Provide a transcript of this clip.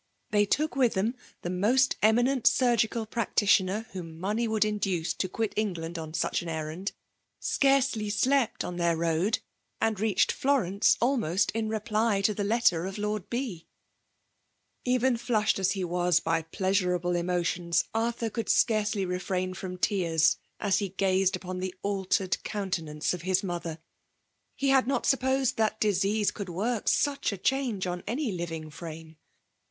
They took with them the most eminent surgical practitioner whom money would induce to qpit En^end on such an errand; scarcdy tlept ob theii road ; and reached Florence, almost in r#pl;f to the letter of Lord B. Even flushed as it was by pleasurable etaao^ tjons, Arthur could scarcely refraili firom teem as he gazed upon the altered couate&anoe of his mother. He had not supposed that diseaee could work such a change on any living faaste.